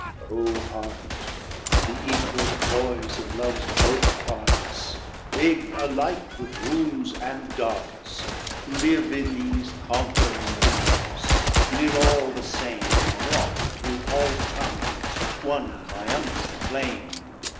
O Heart! the æquall poise of love's both partsBigge alike with wound and darts. Live in these conquering leaves; live all the same; And walk through all tongues one triumphant Flame.